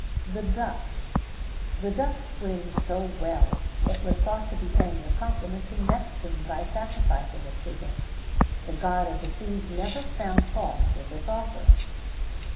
[XVII 36] THE DUCK. The duck swims so well it was thought to be paying a compliment to Neptune by sacrificing it to him.[XVII 37] The god of the seas never found fault with this offering.